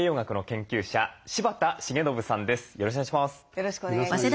よろしくお願いします。